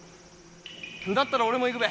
だったら俺も行くべ。